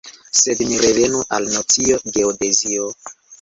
Sed ni revenu al nocio "geodezio".